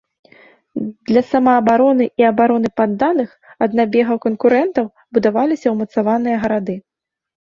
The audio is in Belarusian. Для самаабароны і абароны падданых ад набегаў канкурэнтаў будаваліся умацаваныя гарады.